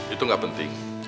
itu gak penting